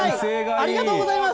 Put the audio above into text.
ありがとうございます。